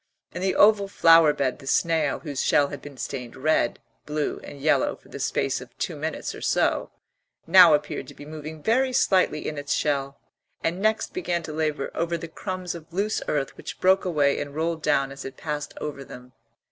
In the oval flower bed the snail, whose shell had been stained red, blue, and yellow for the space of two minutes or so, now appeared to be moving very slightly in its shell, and next began to labour over the crumbs of loose earth which broke away and rolled down as it passed over them.